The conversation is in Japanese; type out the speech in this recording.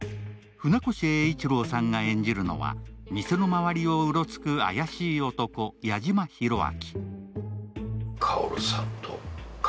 船越英一郎さんが演じるのは店の周りをうろつく怪しい男、矢島宏明。